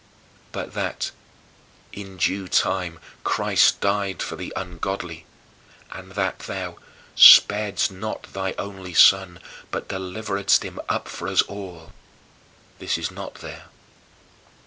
But, that "in due time, Christ died for the ungodly" and that thou "sparedst not thy only Son, but deliveredst him up for us all" this is not there.